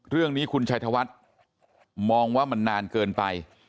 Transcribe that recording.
เรื่องนี้คุณชัยธวัฒน์มองว่ามันนานเกินไป